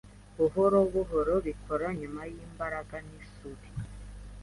buhoro buhoro bikora nyuma yimbaraga nisuri